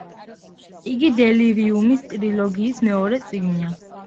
იგი დელირიუმის ტრილოგიის მეორე წიგნია.